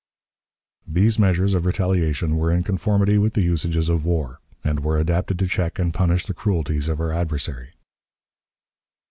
These measures of retaliation were in conformity with the usages of war, and were adapted to check and punish the cruelties of our adversary.